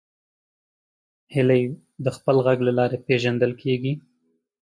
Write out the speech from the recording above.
هیلۍ د خپل غږ له لارې پیژندل کېږي